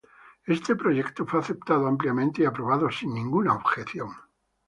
Este proyecto fue aceptado ampliamente y aprobado sin ninguna objeción.